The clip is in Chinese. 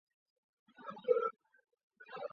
他还是国会拨款委员会和议院委员会主席。